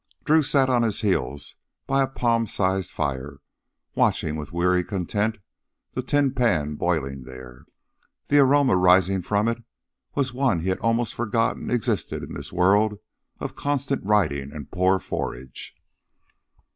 Drew sat on his heels by a palm sized fire, watching with weary content the tin pail boiling there. The aroma rising from it was one he had almost forgotten existed in this world of constant riding and poor forage.